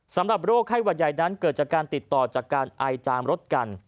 สำหรับโรคไข้หวัดใหญ่นั้นเกิดจากการติดต่อจากการไอจามรถกัน